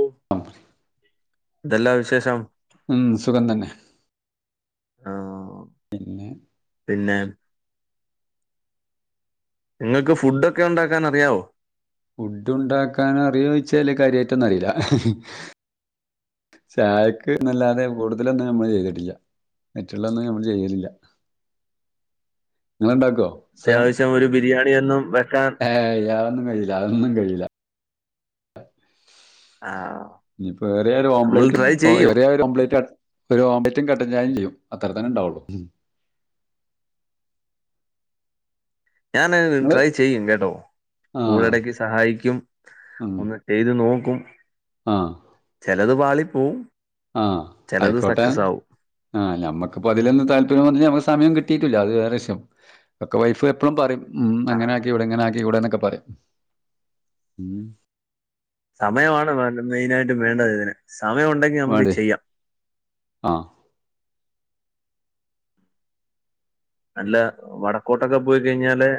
[unintelligible] എന്തെല്ലാ വിശേഷം? ഉം സുഖം തന്നെ ആഹ് പിന്നെ പിന്നെ ഇങ്ങക്ക് ഫുഡൊക്കെ ഒണ്ടാക്കാൻ അറിയാവോ? ഫുഡ് ഉണ്ടാക്കാനറിയോയിച്ചാല് കാര്യായിട്ടൊന്നും അറിയില്ല. ചായക്ക്ന്നല്ലാതെ കൂട്തലൊന്നും ഞമ്മള് ചെയ്ത്ട്ടില്ല. മറ്റ്ള്ളൊന്നും ഞമ്മള് ചെയ്യലില്ല ഇങ്ങള്ണ്ടാക്കോ? ‌ അത്യാവശം ഒര് ബിരിയാണി ഒന്നും വെക്കാൻ ഏയ് അതൊന്നും കഴിയില്ല അതൊന്നും കഴിയില്ല. ആഹ് ഇനിയിപ്പോ ഏറിയ ഒര് ഓംലെറ്റ് ഏറിയ ഒരു ഓംലെറ്റ് അ ഒര് ഓംലെറ്റും കട്ടൻ ചായേം ചെയ്യും അത്ര തന്നെ ണ്ടാവൊള്ളൂ. ഞാന് ട്രൈ ചെയ്യും കേട്ടോ ആ കൂടെടക്ക് സഹായിക്കും ഒന്ന് ചെയ്ത് നോക്കും. ആഹ് ചെലത് പാളി പോവും. ആഹ് ആയ്ക്കോട്ടെ. ആഹ് നമ്മക്ക് ഇപ്പ അതിലൊന്നും താല്പര്യം വന്നിട്ടില്ല നമ്മക്ക് സമയം കിട്ടിട്ടുല്ല അത് വേറെ വിഷ്യം ഒക്കെ വൈഫ് എപ്പളും പറയും ഉം ആ അങ്ങനെ ആക്കികൂടെ ഇങ്ങനെ ആക്കികൂടെ എന്നൊക്കെ പറയും സമയമാണ് മെയിനായിട്ടും വേണ്ടത് ഇതിന് സമയമുണ്ടെങ്കി നമുക്ക് ചെയ്യാം ആഹ് അല്ല വടക്കോട്ടൊക്കെ പോയി കഴിഞ്ഞാല്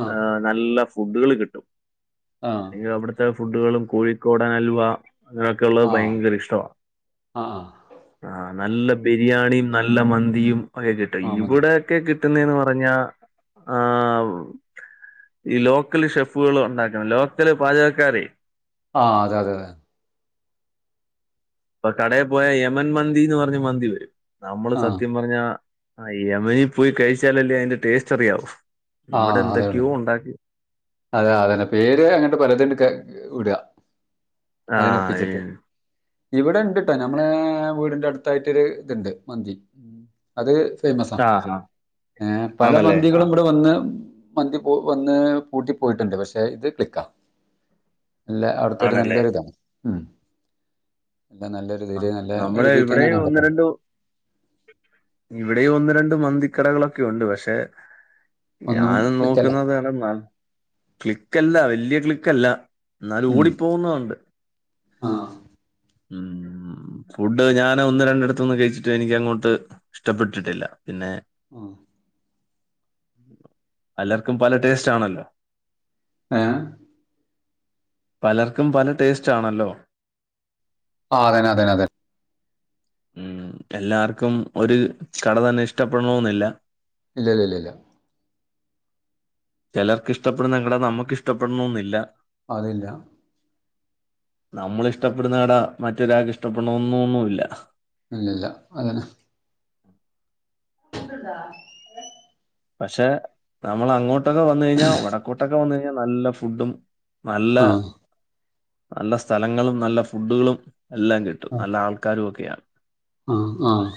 ആ ആഹ് നല്ല ഫുഡുകള് കിട്ടും ആ എനിക്ക് അവിടുത്തെ ഫുഡുകളും കോഴിക്കോടനൽവ ഇങ്ങനൊക്കെ ഉള്ളത് ആ ഭയങ്കര ഇഷ്ടവാ ആ ആ ആഹ് നല്ല ബിരിയാണിയും നല്ല മന്തിയും ഒക്കെ കിട്ടും ആ ഇയും മതി തൊക്കെ കിട്ടുന്നെന്ന് പറഞ്ഞ ആഹ് ഈ ലോക്കല് ഷെഫുകള് ഉണ്ടാക്കണ ലോക്കല് പാചകക്കാരെ ആഹ് അതെ അതെ അതെ ഇപ്പൊ കടയിൽ പോയ യമൻ മന്തി എന്ന് പറഞ്ഞ് മന്തി വരും നമ്മള് ആ സത്യം പറഞ്ഞ ഞ്ഞ യമനി പോയി കഴിച്ചാലല്ലേ അയ്ന്റെ ടേസ്റ്റ് അറിയാവു ആ ഇവിടെ അതെ ഉള്ളു. എന്തൊക്കെയോ ഉണ്ടാക്കി അതെ അതന്നെ പേര് അങ്ങട്ട് പലതും ക ഇട ആഹ് അതിനൊപ്പിച്ചിട്ട് ഇവിടെ ഇണ്ട്ട്ടോ നമ്മളെ വീടിന്റെ അടുത്തായിട്ടൊരു ഇത്ണ്ട് മന്തി അത് ഫേമസ ആഹ് ആഹ് ഏഹ് പല ആണല്ലേ മന്തികളും ആഹ് കൂടെ വന്ന് മന്തി പോ വന്ന് പൂട്ടി പോയിട്ടുണ്ട് പക്ഷെ ഇത് ക്ലിക്കാ അല്ല അവിടുത്തെ ഒരു ആണല്ലേ നല്ലൊരു ഇതാണ് ഉം എല്ല നല്ല ഇതില് ആഹ് നല്ല ഒരു നമ്മള് ഇതിൽ തന്നെയാണ് ഇവിടെയും അവിടെ ഒന്ന് രണ്ടു പോകുന്നത് ഇവിടെയും ഒന്ന് രണ്ട് മന്തിക്കടകളൊക്കെ ഉണ്ട് പക്ഷെ ഒന്നും ഞാനും ക്ലിക്കല്ല നോക്കുന്നത് എട ന്നാൽ ക്ലിക്കല്ല വല്യ ക്ലിക്കല്ല ന്നാലും ഉം. ഓടിപ്പോവുന്നുണ്ട് ആ ഉം ഉം ഫുഡ് ഞാന് ഒന്ന് രണ്ടിടത്തൊന്ന് കഴിച്ചിട്ട് എനിക്ക് അങ്ങോട്ട് ഇഷ്ടപ്പെട്ടിട്ടില്ല പിന്നെ ഉം പലർക്കും പല ടേസ്റ്റ് ആണല്ലോ ഏഹ് പലർക്കും പല ടേസ്റ്റ് ആണല്ലോ അഹ് അതെന്നെ അതെന്നെ അതെ ഉം എല്ലാർക്കും ഒരു കട തന്നെ ഇഷ്ടപ്പെടണോന്നില്ല ഇല്ല ല്ല ഇല്ല ചെലർക്ക് ഇഷ്ടപ്പെടുന്ന കട നമുക്ക് ഇഷ്ടപ്പെടണോന്നില്ല അതില്ല നമ്മള് ഇഷ്ടപ്പെടുന്ന കട മറ്റൊരാൾക്ക് ഇഷ്ടപ്പെടണൊന്നൊന്ന്ല്ല ഇല്ലില്ല അതനെ [inaudible] ഇതുണ്ടാ പക്ഷെ നമ്മള് അങ്ങോട്ടൊക്കെ വന്ന് കഴിഞ്ഞാ വടക്കോട്ടൊക്കെ വന്ന് കഴിഞ്ഞാ നല്ല ഫുഡും നല്ല ആ നല്ല സ്ഥലങ്ങളും നല്ല ഫുഡുകളും എല്ലാം കിട്ടും നല്ല ആൾക്കാരും ഒക്കെയാണ് ആഹ് ആഹ്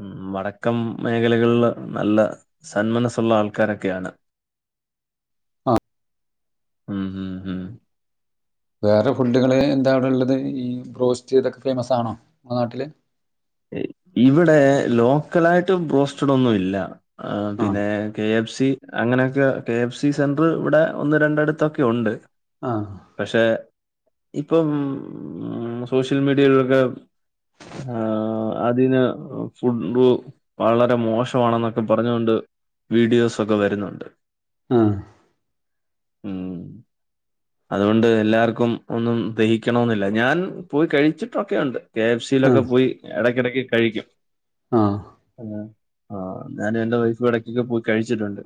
ഉം വടക്കം മേഖലകളില് നല്ല സന്മനസ്സുള്ള ആൾക്കാരൊക്കെയാണ് ആഹ് ഉം ഉം ഉം വേറെ ഫുഡ്കൾ എന്താണവ്ടെള്ളത് ഈ ബ്രോസ്റ്റ് ഇതൊക്കെ ഫേമസ് ആണോ ങ്ങളെ നാട്ടില് ഇ ഇവിടെ ലോക്കലായിട്ട് ബോസ്റ്റഡ് ഒന്നുംല്ല ആഹ് ആ പിന്നെ കെ എഫ് സി അങ്ങനെയൊക്കെ കെ എഫ് സി സെന്റർ ഇവിടെ ഒന്ന് രണ്ടെട്ത്തൊക്കെ ഉണ്ട് അഹ് പക്ഷെ ഇപ്പം സോഷ്യൽ മീഡിയയിലൊക്കെ ആഹ് ആഹ് അതിന് ഫുഡ് വളരെ മോശമാണെന്നൊക്കെ പറഞ്ഞുകൊണ്ട് വീഡിയോസൊക്കെ വരുന്നുണ്ട് ആഹ് ഉം അതുകൊണ്ട് എല്ലാർക്കും ഒന്നും ദഹിക്കണോന്നില്ല ഞാൻ പോയി കഴിച്ചിട്ടൊക്കെയുണ്ട് കെ എഫ് ആ ആ സിയിലൊക്കെ പോയി എടക്കെടക്ക് കഴിക്കും ആഹ് ആഹ് ആഹ് ഞാനും എന്റെ വൈഫും എടക്കൊക്കെ പോയി കഴിച്ചിട്ടുണ്ട്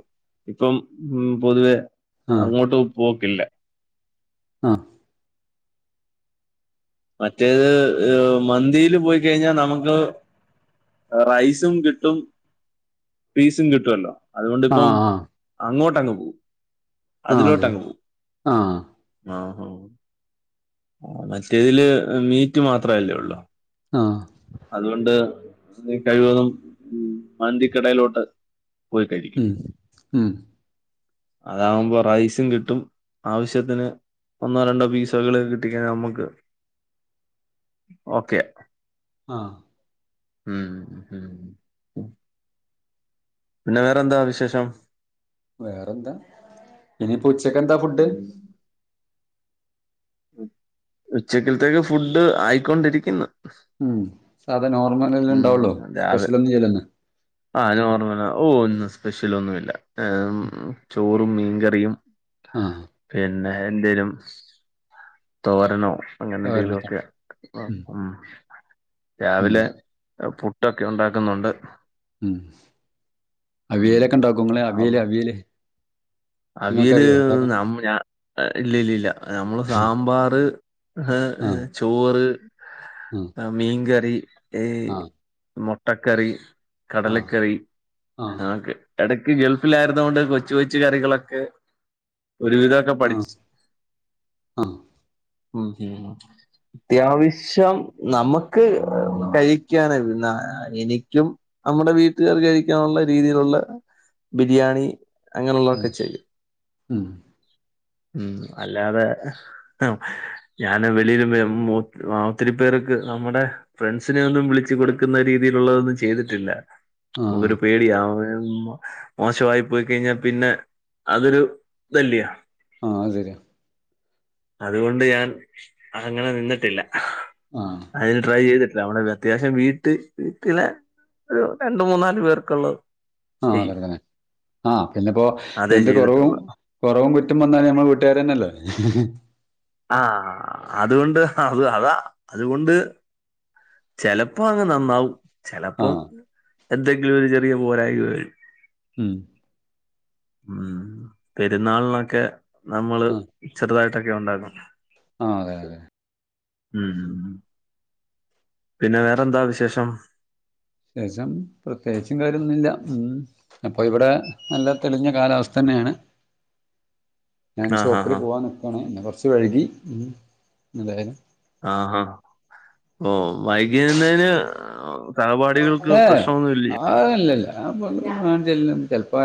ഇപ്പം ഉം പൊതുവെ ആ അങ്ങോട്ട് പോക്കില്ല ആഹ് മറ്റേത് മന്തിയില് പോയി കഴിഞ്ഞാ നമ്മക്ക് റൈസും കിട്ടും പീസും കിട്ടുവല്ലോ ആ അതുകൊണ്ടിപ്പം ആ അങ്ങോട്ടങ്ങ് പോവും ആ അതെ അതിലോട്ടങ്ങ് പോവും ആ ആഹ്ഹാ മറ്റേതില് മീറ്റ് മാത്രല്ലേ ഒള്ളൂ ആഹ് അതുകൊണ്ട് കഴിവതും മന്തിക്കടയിലോട്ട് പോയിക്കഴിക്കും ഉം ഉം അതാവുമ്പോ റൈസും കിട്ടും ആവശ്യത്തിന് ഒന്നോ രണ്ടോ പീസ്കള് കിട്ട് എങ്കി നമുക്ക് [inaudible] ഓക്കെ ആഹ് ഉം ഉം പിന്ന വേറെന്താ വിശേഷം വേറെന്താ ഇനിപ്പ ഉച്ചക്ക് എന്താ ഫുഡ് ഉച്ചക്കിൽത്തേക്ക് ഫുഡ് ആയിക്കൊണ്ടിരിക്ക്ന്ന് ഉം സാധാ നോർമലല്ലേ ഇണ്ടാവൂള്ളു സ്പെഷ്യൽ ഒന്നും ചെയ്യ്ലല്ലോ ആഹ് നോർമലാ ഓഹ് ഇന്ന് സ്പെഷ്യൽ ഒന്നുമില്ല ഏ് ചോറും മീൻകറിയും ആഹ് പിന്നെ എന്തെലും തോരനോ അങ്ങനെ എന്തെങ്കിലും ഒക്കെ തോരനൊക്കെയുണ്ട് ഉം ഉം രാവിലെ പുട്ടൊക്കെ ഉണ്ടാക്കുന്നോണ്ട് ഉം ഉം അവിയലൊക്കെ ഉണ്ടാക്കാേങ്ങൾ ആ അവിയല് അവിയല് അവിയല് നമ് ഞാ ഇല്ല ഇല്ലില്ല നമ്മള് സാമ്പാറ് ഹ് അ് ചോറ് ഉം മീൻകറി ഏഹ് മൊട്ടക്കറി ആ കടലക്കറി ആഹ് ആഒക്കെ എടക്ക് ഗൾഫിലാര്ന്നൊണ്ട് കൊച്ച് കൊച്ച് കറികളൊ ഓക്കെ ഒരുവിധൊക്കെ പഠിച്ച് ആഹ് ഉം ശെരിയെന്നാ അത്യാവശ്യം നമുക്ക് കഴിക്കാൻ എന്നാ എനിക്കും നമ്മുടെ വീട്ടുകാർക്ക് കഴിക്കാനുള്ള രീതിയിലുള്ള ബിരിയാണി ഉം അങ്ങനെഉള്ളതൊക്കെ ചെയ്യും ഉം ഉം അല്ലാതെ ആഹ് ഞാന് വെളിയില് എം ഒ ഒത്തിരി പേര്ക്ക് നമ്മടെ ഫ്രണ്ട്സിനെ ഒന്നും വിളിച്ച് കൊടുക്കുന്ന രീതിലുള്ളതൊന്നും ചെയ്തിട്ടില്ല ആഹ് നമുക്കൊരു പേടിയമ്പയും മോശമായി പോയി കഴിഞ്ഞാ പിന്നെ അതൊരു ഇതല്യോ ആ അത്ശെരിയാ അതുകൊണ്ട് ഞാൻ അങ്ങനെ നിന്നിട്ടില്ല ആഹ് അതിന് ട്രൈ ചെയ്തിട്ടില്ല നമ്മടെ അത്യാവശ്യം വീട്ടി വീട്ടിലെ ഒരു രണ്ട് മൂന്നാല് പേർക്കുള്ളത് ആ അത് ചെയ്യും അങ്ങനെ തന്നെ ആ പിന്നെപ്പോ അതേ എന്ത് കുറവും. ചെയ്തിട്ടുള്ളൂ കുറവും കുറ്റം വന്നാല് ഞമ്മൾ വീട്ടുകാര് തന്നല്ലേ. ആ അതുകൊണ്ട് അത് അതാ അതുകൊണ്ട്. ചിലപ്പോ അങ്ങ് നന്നാവും ചിലപ്പോം ആഹ് എന്തെങ്കിലും ഒരു ചെറിയ പോരായിക്കവരും. ഉം ഉം പെരുന്നാളിനൊക്കെ നമ്മള് ചെറുതായിട്ടൊക്കെ ഉണ്ടാക്കും. ആ അതെ അതെ. ഉം ഉം ഉം പിന്നെ വേറെന്താ വിശേഷം. വിശേഷം പ്രത്യേകിച്ചും കാര്യന്നുഇല്ല. അപ്പൊ ഇവിടെ നല്ല തെളിഞ്ഞ കാലാവസ്ഥ തന്നെയാണ്. ഞാൻ ആഹ് ഹാ ഷോപ്പില് ഹാ പോവാൻ നിക്കാണ് പിന്നെ കുറച്ച് വഴുകി മൂ എന്തെ ആഹ് ആഹ് ഓഹ് വൈകിവന്നേന് ഓഹ് സഹപാഠികൾക്ക് പ്രശ്നൊന്നുഇല്ലയൊ. ആ അല്ലല്ല അപ്പ ഞാൻ ചെല്ലും ചിലപ്പോ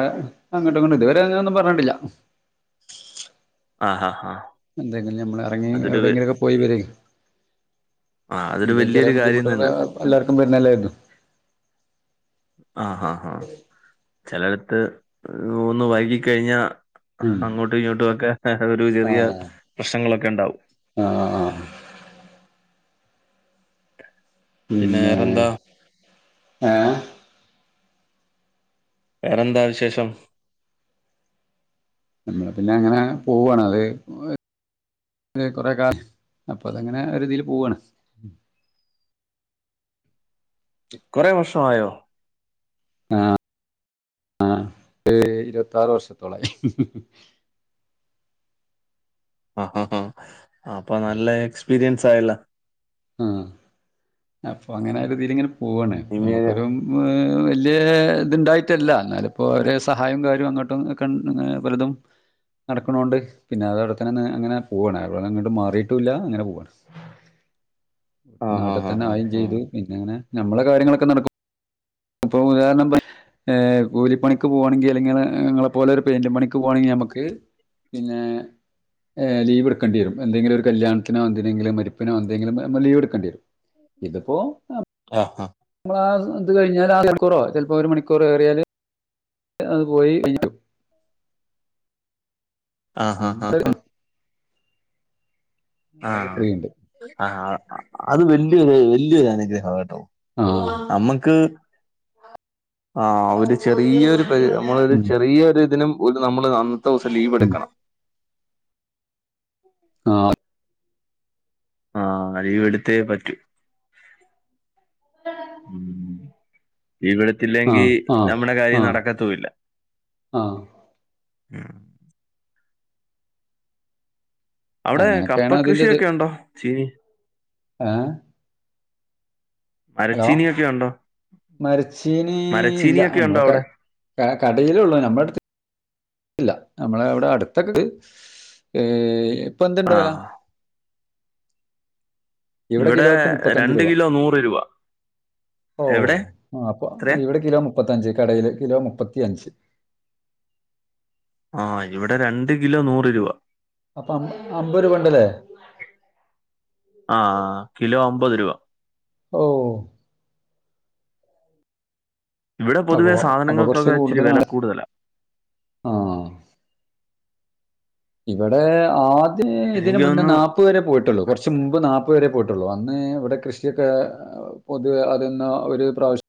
അങ്ങോട്ടും ഇങ്ങോും ഇതുവരെ അങ്ങനൊന്നും പറഞ്ഞിട്ടില്ല. ആഹാ ആഹ് എന്തെങ്കിലും നമ്മൾ ഇറങ്ങി അതൊരു വ- എവിടെങ്കിലൊക്കെ പോയ് വെരി ആ അതൊരു എന്ന് വെച്ചാൽ വലിയൊരു കാര്യം ബുദ്ധിമുട്ടുകൾ തന്നെ എല്ലാർക്കും വരുന്നല്ലാരുന്നു. ആ ഹാ ഹാ ചിലടത് ‌ ഒന്ന് വൈകിക്കഴിഞ്ഞാ. ഉം അങ്ങോട്ടും ഇങ്ങോട്ടും ഒക്കെ ഒരു ചെറിയ ആഹ് പ്രശ്നങ്ങളൊക്കെ ഉണ്ടാവും. ആഹ് ആഹ് പിന്നെ വേറെന്താ. ഏഹ് വേറെന്താ വിശേഷം. നമ്മള് പിന്നെ അങ്ങനെ പോവുവാണ് അത് അതെ കുറെ കാലം അപ്പൊ അതങ്ങനെ ഒരു ഇതിൽ പോവണ്. കുറെ വർഷം ആയോ. ആഹ് ആഹ് ഏഹ് ഇരുപത്താറ് വർഷത്തോളയി. ആഹ് ആഹ് ആഹ് അപ്പൊ നല്ല എക്സ്പീരിയൻസ് ആയല്ലോ മൂ അപ്പോ അങ്ങനെ ആ രീതിൽ ഇങ്ങനെ പോവണ് ഇനി നമുക്കൊരു മു വേ വെല്യ ഇതുണ്ടായിട്ടല്ല എന്നാലും ഇപ്പോ അവരെ സഹായം കാര്യവും അങ്ങോട്ടും ഇകന് പലതും. നടക്കണൊണ്ട് പിന്നെ അത് അവിടെത്തന്നെ അങ്ങനെ പോണ് അവിടെ അങ്ങോട്ട് മാറിട്ടില്ല അങ്ങനെ പോവാണ്. ആ ഹാ നട് ഹാ ഹാ ഉം ചെയ്തു പിന്നെ അങ്ങനെ നമ്മള് കാര്യങ്ങളൊക്കെ നടക്കും ഇപ്പൊ ഉദാഹണം പയ് ഏ കൂലിപണിക്ക് പോകവാണെങ്കിൽ അല്ലെങ്കി നിങ്ങളെ പോലെ ഒരു പെയിന്റ് പണിക്ക് പോവാണെങ്കിൽ നമുക്ക് പിന്നെ. ലീവ് എടുക്കേണ്ടിവരും. എന്തെങ്കില് ഒരു കല്യാണത്തിനോ എന്തെങ്കിലും മരപ്പിനോ എന്തെങ്കിലും ലീവെടുക്കേണ്ടി വരും. ഇതിപ്പോ ആ ഹാ നമ്മള ആ ഇത് കഴിഞ്ഞാൽ ആ മണിക്കൂറോ ചിലപ്പോ ഒരു മണിക്കൂർ ഏറിയാല് അത് പോയി ഇരിക്കും. ആ ഹാ ആ ഹാ. ആ ഫ്രീ ഉണ്ട് ആ അത് വല്യൊരു വല്യൊരു അനുഗ്രഹം ആ കേട്ടോ. ആ ഞമ്മക്ക് ആ ഒരു ചെറിയൊരു പരി നമ്മള് ഒരു ഉം. ചെറിയ ഇതിനും ഒരു നമ്മള് അന്നത്തെ ദിവസം ലീവ് എടുക്കണം. ആ ആ ലീവ് എടുത്തേ പറ്റൂ. ഉ ഇവിടെ. ആ ഇല്ലെങ്കിൽ ആ നമ്മുടെ ആ കാര്യം നടക്കത്തൂല്ല. ആ അവിടെ കപ്പ അങ്ങനൊക്കെയാണ് അതിന്റെ ഇത് കൃഷിയൊക്കെ ഉണ്ടോ ചീനി. ഏ, ഹലോ മരച്ചീനിയൊക്കെ ഉണ്ടോ മരച്ചീനി ഇല്ല മരച്ചീനിയൊക്കെ ഉണ്ടോ നമ്മളൊക്കെ അവിടെ ക കടേലുള്ളൂ നമ്മടടുത്ത് ഇല്ല നമ്മള അവിടെ അടുത്തൊക്കെണ്ട് ഏഹ് ഇപ്പൊ എന്ത്ണ്ട് ആ വെല ഇവിടെ കിലോക്ക് മുപ്പത്തഞ്ച് രണ്ട് രൂപ കിലോ നൂറ് രൂപ ഓ എവിടെ ആ അപ്പൊ എത്രയാ ഇവിടെ കിലോ മുപ്പത്തിഞ്ച് കടയില് കിലോ മുപ്പത്തിയഞ്ച് ആ ഇവിടെ രണ്ട് കിലോ നൂറ് രൂപ അപ്പ അമ്പ അമ്പത് രൂപ ഉണ്ടല്ലേ ആ കിലോ അമ്പത് രൂപ ഓ ഇവിടെ അപ്പൊ പൊതുവെ അപ്പൊ കുറച്ച് സാധനങ്ങൾക്കൊക്കെ ഇച്ചിരി വെല കൂടുതലാണ് കൂടുതലാ ആ ഇവിടെ ആദ്യ ഇതിന് എനിക്ക് മുന്നേ തോന്നുന്നു നാപ്പ ഇതുവരെ പോയിട്ടുള്ളൂ കൊറച്ച് മുമ്പ് നാപ്പത് രൂപ വരെ പോയിട്ടുള്ളൂ അന്ന് ഇവിടെ കൃഷിയൊക്കെ പൊതുവെ അതൊന്ന ഒരു പ്രാവശ്യം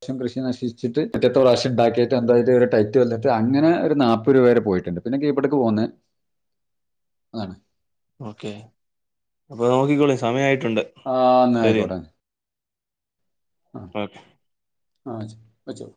മൊത്തം കൃഷി നശിച്ചിട്ട് പിറ്റെത്ത പ്രാവശ്യ ഇണ്ടാക്കീട്ട് അൻപത് രൂപ വരെ ടൈറ്റ് വന്നിട്ട് അങ്ങനെ ഒരു നാപ്പത് രൂപ വരെ പോയിട്ടുണ്ട് പിന്നെ കീപ്പടേക്ക് പോകുന്നേ ആണ് ഓക്കേ അപ്പൊ നോക്കിക്കോളിൻ സമയായിട്ടുണ്ട് ആഹ് എന്നാ ശരി യിക്കോട്ടെ ആഹ് ഓക്കെ ആ ച്ച് വെച്ചോ